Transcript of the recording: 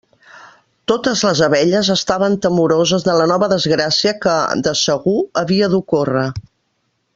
Totes les abelles estaven temoroses de la nova desgràcia que, de segur, havia d'ocórrer.